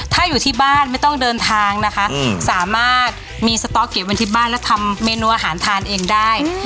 ถ้าอยู่ที่บ้านไม่ต้องเดินทางนะคะสามารถมีสต๊อกเก็บไว้ที่บ้านและทำเมนูอาหารทานเองได้